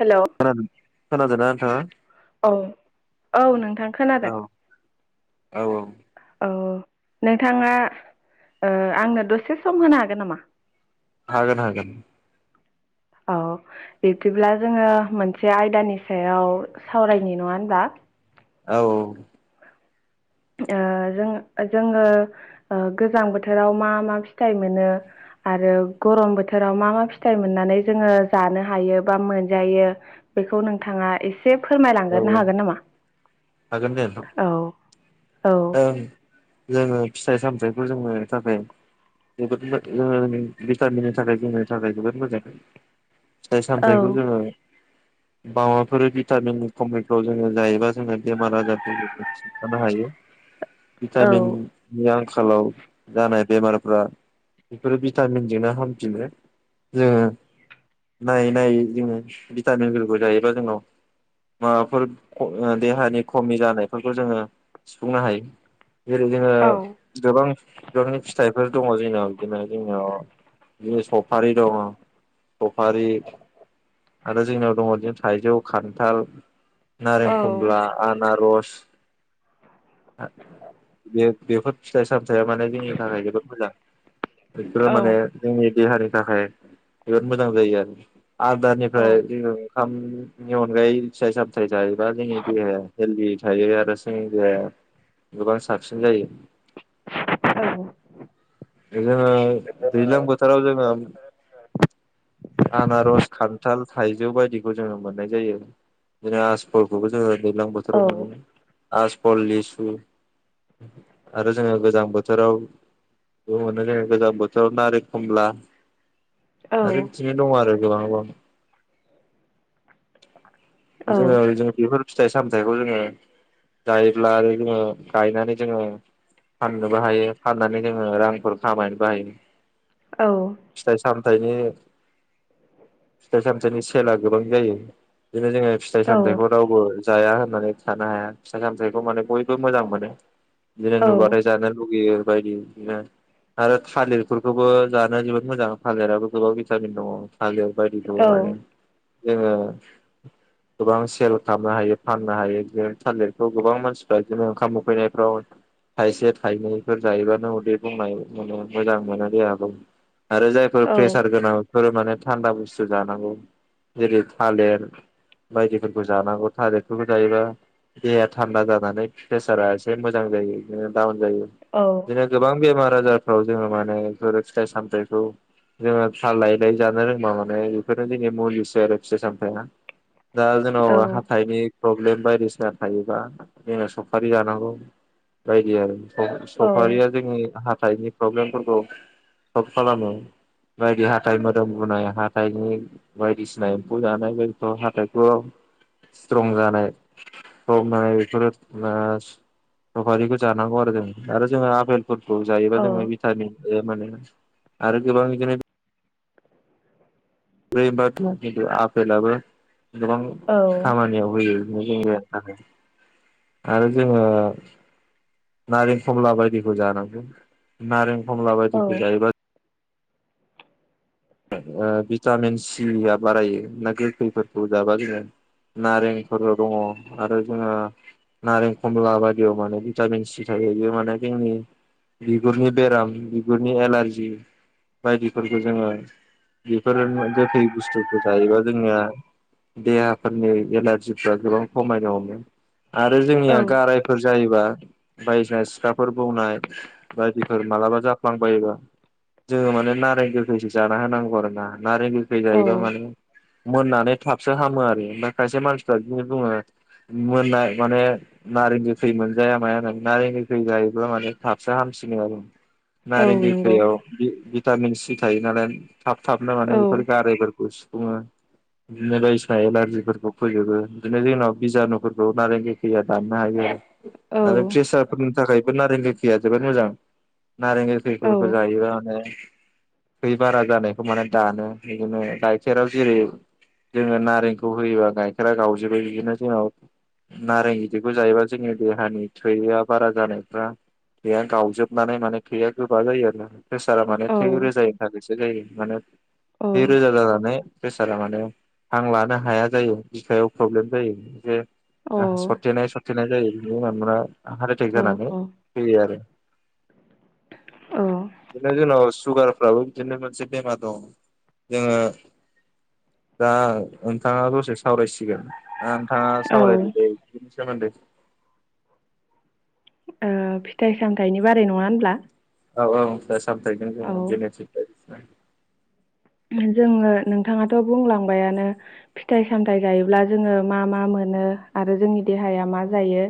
Hello खोनादों खोनादोना नोथांआ? औ औ नोंथां खोनादों। औ औ। औ नोंथाङा ओ आंनो दसे सम होनो हागोन नामा? हागोन हागोन। औ। बिब्दिब्ला जोङो मोनसे आयदानि सायाव सावरायनि नङा होनब्ला। औ औ। ओ जों जोङो ओ गोजां बोथोराव मा मा फिथाइ मोनो? आरो गरम बोथोराव मा मा फिथाइ मोननानै जोङो जानो हायो बा मोनजायो? बेखौ नोंथाङा एसे औ फोरमायलांग्रोनो औ हागोन नामा? हागोन दे नोंथां औ। औ ओं जोङो फिथाइ सामथायाइखौ जोंनो थाखाय जोबोद [unintelligible] भिटामिननि थाखाय जोंनि थाखाय जोबोद मोजां। फिथाय औ सामथायखौ जोङो माबाफोर भिटामिननि खमिफ्राव जोङो जायोबा जोङो बेमार- आजारफोरखौ जोङो सिन्थानो हायो। भिटामिन औ नि आंखालाव जानाय बेमारफ्रा बेफोरो भिटामिनजोंनो हामफिनो। जोङो नायै नायै जोङो भिटामिनफोरखौ जायोबा जोंनाव माबाफोर देहानि खमि जानायफोरखौ जोङो सुफुंनो हायो । जेरै जोङो गोबां बिबांनि फिथाइ बेफोर दङ जोंनियाव बिदिनो जोंनियाव बिदिनो सफारि दं। सफारि आरो जोंनियाव दङ बिदिनो थाइजौ, खान्थाल नारें, औ खमला, आनार'स। आ बे बेफोर फिथाइ सामथायाइया माने जोंनि थाखाय जोबोद मोजां। बेफोरो औ माने जोंनि देहानि थाखाय जबोद मोजां जायो आरो। औ आदारनिफ्राय जोङो ओंखामनि अनगायै फिथाय-सामथाय जायोब्ला जोंनि देहाया हेलदि थायो आरो जोंनि देहाया। गोबां साबसिन जायो। औ जोङो दैज्लां बोथोराव जोङो आनार'स, खान्थाल, थाइजौ बायदिखौ जोङो मोननाय जायो। बिदिनो [unintelligible] खौबो जोङो दैज्लां बोथोराव मोनोमोन आ फल, लिसु आरो जोङो गोजां बोथोराव बे मोनो जोङो गोजां बोथोराव नारें खमला आरो बिथिनि दं आरो। गोबां दं। जोंङो जों बेफोर फिथाइ-सामथायाइखौ जोङो जायोब्ला आरो जोङो गायनानै जोङो फाननोबो हायो फाननानै जोङो रांफोर खामायनोबो हायो । फिथाइ- साम थाइनि फिथाइ-सामथायाइनि सेना गोबां जायो। बिदिनो जोङो फिथाइ सामथायखौ रावबो जाया होननानै थानो हाया। फिथाइ-सामथायखौ माने बयबो मोजां मोनो। जेरै नुबाथाय जानो लुुबैयो बायदि बिनो आरो थालिरफोरखौबो जानो जोबोद मोजां थालिराबो गोबां भिटामिन दङ। थालिर बायदिखौ माने जोङो गोबां सेल खालामनो हायो फाननो हायो बिनो थालिरखौ गोबां मानसिफ्रा बिदिनो ओंखाम उखैनायफ्राव थाइसे थाइनैफोर जायोबानो उदै बुंनाय मोनो मोजां मोनो देहाखौ । आरो जायफोर प्रेसार गोनां बेफोर माने थान्दा बुस्थु जानांगौ जेरै थालेर बायदिफोरखौ जानांगौ थालेरखौबो जायोबा देहाया थान्दा जानानै प्रेसारा एसे मोजां जायो ओ दाउन जायो बिदिनो गोबां बेमार आजारफ्राव जोङो माने एफोर फिथाइ सामथाइखौ जोङो थाल लायै लायै जानो रोंबा माने बेफोरनो जोंनि मुलिसो आरो फिथाइ सामथायआ । दा जेन'बा हाथायनि प्रब्लेम बायदिसिना थायोबा जोङो सफारि जानांगौ बायदि आरो । स सफारिया जोंनि हाथाइनि प्रब्लेमफोरखौ सल्भ खालामो‌ । बायदि हाथाइ मोदोम बुनाय हाथाइनि बायदिसिना एम्फौ जानाय बायदिफोराव हा [unintelligible] स्ट्रं जानाय [unintelligible] सफारिखौ जानांगौ आरो जों आरो जोङो आफेल फोरखौ जायोबा जोङो भिटामिन ए मोनो आरो गोबां बिदिनो [unintelligible] आपेलाबो गोबां खामानियाव होयो । [unintelligible] आरो जोंङो नारें खमला बायदिखौ जानांगौ नारें खमला बायदिखौ जायोबा ओ भिटामिन सिया बारायो ना गोखैफोरखौ जाबा जोङो नारेंफोरबो दङ' आरो जोङो नारें खमला बायदियाव माने भिटामिन सि थायो । बियो माने जोंनि बिगुरनि बेराम बिगुरनि एलारजि बायदिफोरखौ जोङो बेफोरो गोखै बुस्थुफोर जायोबा जोंनिया देहाफोरनि एलारजिफ्रा गोबां खमायनो हमो । आरो औ जोंनिया गारायफोर जायोबा बायदिसिना सिखाफोर बौनाय बायदिफोर मालाबा जाफ्लांबायोबा जोङो माने नारें गोखैसो जा ना होनांगौ आरोना नारें गोखै जायोब्ला माने मोननानै थाबसो हामो आरो ओमफ्राय खायसे मानसिफ्रा बिदिनो बुङो । मोननाय माने नारें गोखै मोनजाया माया नों नारें गोखै जायोब्ला माने थाबसो हाम सिनो आरो नारें औ नंगौ गोखैयाव बि भिटामिन सि थायो नालाय । थाब थाबनो माने औ बेफोर गारायफोरखौ सुफुङो । [unintelligible] बायदिसिना एलारजिफोरखौ फोजोबो बिदिनो जोंनाव बिजानुफोरखौ नारें गोखैया दाननो हायो औ । आरो प्रेसारफोरनि थाखायबो नारें गोखैया जोबोद मोजां । नारें औ गोखैफोरखौ जायोबा माने थै बारा जानायखौ माने दानो बिदिनो गाइखेराव जेरै जोङो नारेंखौ होयोबा गाइखेरा गावजोबो बिदिनो जोंनाव नारें गिदिरखौ जायोबा जोंनि देहानि थैआ बारा जानायफ्रा थैया गावजोबनानै माने थैया गोबा जायो आरो ना । प्रेसारा माने औ थै रोजानि थाखायसो जायो माने थै रोजा जानानै प्रेसारा माने हां लानो हाया जायो बिखायाव प्रब्लेम जायो जे हां सरथेनाय सरथेनाय जायो बिनि उनाव हार्ट एटेक जानानै औ औ फैयो आरो ‌‌ बि दिनों जोंनाव सुगार फ्राबो बिदिनो मोनसे बेमार दं जोङो दा नोंथाङा दसे सावरायसिगोन दा नोंथाङा औ सावरायदो दे बिदिनो । सोमोन्दै । ओ फिथाइ सामथायाइनि बारै नङा होनब्ला? औ औ फिथाइ सामथायाइ जों जोङो औ जेनेखि बायदिसिना । [unintelligible] जोङो नोंथाङाथ' बुंलांबायानो फिथाइ सामथायाइ जायोब्ला जोङो मा मा मोनो मोनो आरो जोंनि देहाया मा जायो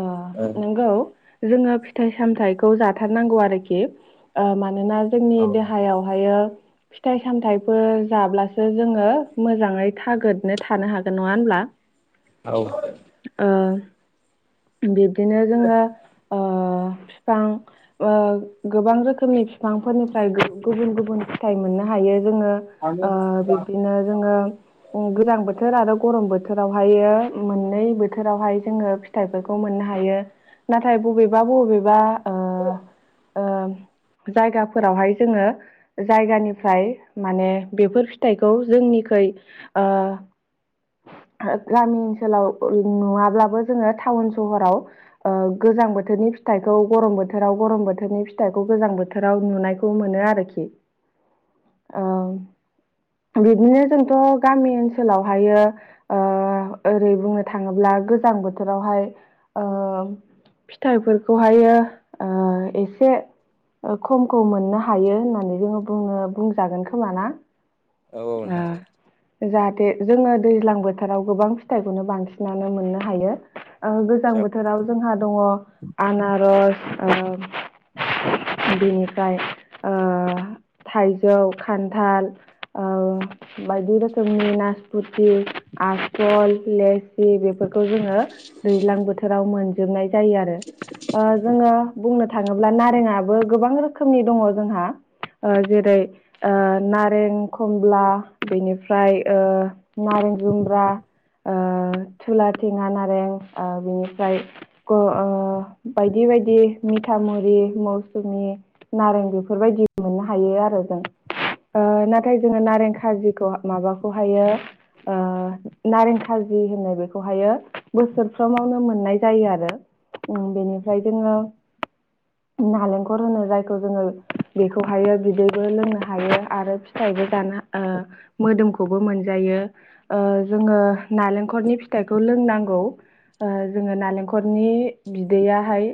अ औ नंगौ जोङो फिथाइ सामथाइखौ जाथारनांगौ आरोखि ओ मान मानोना जोंनि औ देहायावहायो फिथाइ सामथायाइफोर जाब्लासो जोङो मोजाङै थागोदनो थानो हागोन नङा होमब्ला? औ ओ बिब्दिनो जोङो [inaudible] फिफां ओ गोबां रोखोमनि फिफांफोरनिफ्राय गुबुन गुबुन फिथाइ मोननो हायो जोङो ओ बिब्दिनो जोङो ओ गोजां बोथोर आरो गरम बोथोरावहायो मोननै बोथोरावहाय जोङो फिथाइफोरखौ मोननो हायो नाथाय बबेबा बबेबा ओ ओ [inaudible] जायगाफोरावहाय जोङो जायगानिफ्राय माने बेफोर फिथाइखौ जोंनि खैर गामि ओनसोलाव नङाब्लाबो जोङो थाउन सहराव ओ गोजां बोथोरनि फिथाइखौ गरम बोथोराव गरम बोथोरनि फिथाइखौ गोजां बोथोर बोथोराव नुनायखौ मोनो आरोखि [inaudible] ओ बिदिनो जोंथ' गामि ओनसोलावहायो ओ‌ओरै बुंनो थाङोब्ला ओ गोजां बोथोरावहाय ओ फिथाइफोरखौहायो ओ एसे ओ खमखौ मोननो हायो होननानै जोङो बुंनो बुंजागोन खोमा ना औ नोंथां ओ जा ए जोङो दैज्लां बोथोराव गोबां फिथाइखौनो बांसिनानो मोननो हायो ओ गोजां बोथोराव जोंहा दङ आनारस ओ बेनिफ्राय ओ थाइजौ खान्थाल ओ बायदि रखोमनि नासपति आसल लेस- स्रि बेफोरखौ जोङो दैज्लां बोथोराव मोनजोबनाय जायो आरो ओ जोङो बुंनो थाङोब्ला नारेंआबो गोबां रोखोमनि दङ जोंहा ओ जेरै ओ नारें खमला बेनिफ्राय ओ नारें जुमब्रा ओ थुला थेङा नारें ओ बिनिफ्राय ओ ओ बायदि बेबायदि मिथामुरि मौसुमि नारें बेफोरबायदि मोननो हायो आरो जों ओ नाथाय जोङो नारें खाजिखौ माबाखौहायो ओ नारें खाजि होनो बेखौहायो बोसोरफ्रोमावनो मोननाय जायो आरो उम बेनिफ्राय जोङो नालेंखर होनो जायखौ जोङो बेखौहायो बिदैबो लोंनो हायो आरो फिथ थाइबो जानो ओ मोदोमखौबो मोनजायो ओ जोङो नालेंखरनि फिथ फिथाइखौ लोंनांगौ जोङो नालेंखरनि बिदैया हाय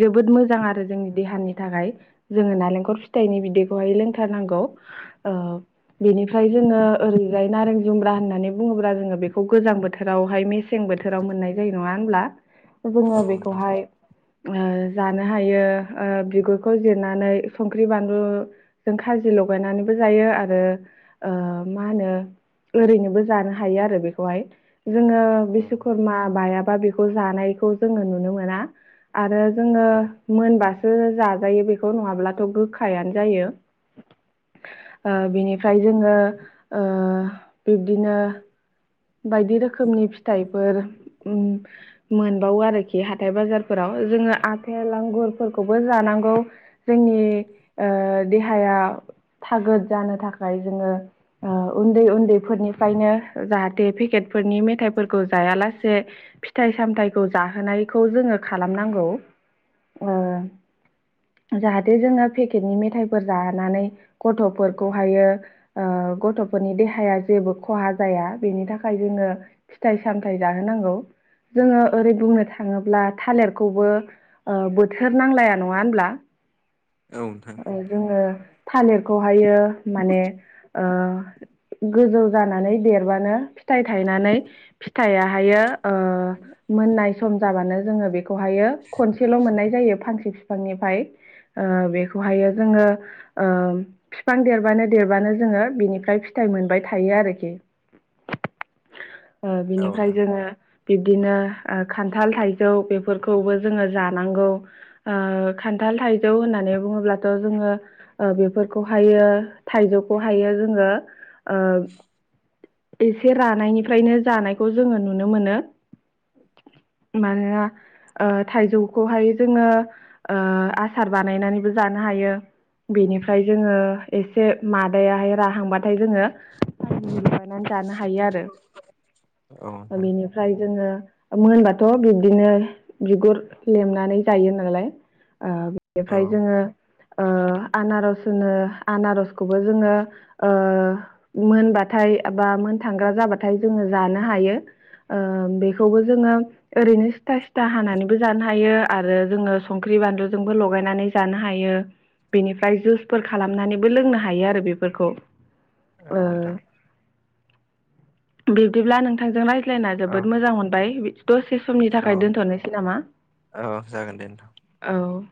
जोबोद मोजां आरो जोंनि देहानि थाखाय जोङो नालेंखर फिथाइनि बिदैखौहाय लोंथारनांगौ ओ बेनिफ्राय जोङो ओरैजाय नारें जुमब्रा होननानै बुङोब्ला जोङो बेखौ गोजां बोथोरावहाय मेसें बोथोराव मोननाय जायो नङा होनब्ला जोङो औ नोंथां बेखौहाय ओ जानो हायो ओ बिगुरखौ जिरनानै संख्रि बानलुजों खाजिल' लगायनानैबो जायो आरो ओ मा होनो ओरैनोबो जानो हायो आरो बेखौहाय जोङो औ बिस्वकर्मा बायाबा बेखौ जानायखौ जोङो नुनो मोना आरो जोङो औ मोनबासो जाजायो बेखौ नङाब्लाथ' गोखायानो जायो। बिनिफ्राय जोङो बिब्दिनो बायदि रोखोमनि फिथाइफोर मोनबावो आरोखि हाथाय बाजारफोराव जोङो आथेल आगुरफोरखौबो जानांगौ जोंनि देहाया थागोद जानो थाखाय जोङो ओ उन्दै उन्दैफोरनिफ्रायनो जाहाथे बे पेकेट फोरनि मेथाइफोरखौ जायालासे फिथाइ सामथाइखौ जाहोनायखौ जोङो खालामनांगौ । ओ जाहाथे जोंङो पेकेटनि मेथायफोर जानानै गथ'फोरखौहायो ओ गथ'फोरनि देहाया जेबो खहा जाया बेनि थाखाय जोङो फिथाइ सामथाय जाहोनांगौ । जोङो ओरै बुंनो थाङोब्ला थालिरखौबो बोथोर नांलाया नङा होनब्ला? [inaudible] नोंथां आरो जोङो थालिरखौहायो माने ओ गोजौ जानानै देर बानो फिथाइ थायनानै फिथायाहायो ओ मोननाय सम जाबानो जोङो बेखौ खनसेल' मोननाय जायो फांसे बिफांनिफ्राय ओ बेखौहायो जोङो ओ बिफां देरबानो देरबानो जों हो बेनिफ्राय फिथाइ मोनबाय थायो आरोखि । ओ औ बिनिफ्राय नोंथां जोङो बिब्दिनो ओ खान्थाल थाइजौ बेफोरखौबो जोङो जानांगौ ओ खान्थाल थाइजौ होननानै नानै बुङोब्लाथ' जोङो बेफोरखौहायो थाइजौखौ हायो जोङो ओ एसे रानायनिफ्रायनो जानायखौ जोङो नुनो मोनो । मानोना ओ थाइजौखौहाय जोङो ओ आसार बानायनानैबो जानो हायो । बेनिफ्राय जोङो एसे मादायाहाय राहांबा थाय जोंङो [unintelligible] लगायनानै जानो हायो आरो औ ओ नोंथां बेनिफ्राय जो जोङो मोनबाथ' बिब्दिनो बिगुर लेमनानै जायो नालाय । ओ औ बेनिफ्राय जोङो ओ [inaudible] आनारस होनो आनारसखौबो जोङो ओ मोनबाथाय बा मोन थांग्रा जाबाथाय जोङो जानो हायो । ओ बेखौबो जोङो ओरैनो सिथा सिथा हानानैबो जानो हायो आरो जोङो संख्रि बानलुजोंबो लगायनानै जानो हायो । बेनिफ्राय जुसफोर खालामनानैबो लोंनो हायो आरो बेफोरखौ । औ नोंथां । बिब्दिब्ला नोंथांजों रायज्लायना औ जोबोद मोजां मोनबाय । दसे समनि औ थाखाय दोनथ'नोसै नामा? औ जागोन दे नोंथां औ ।